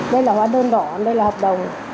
đây là hóa đơn đỏ đây là hợp đồng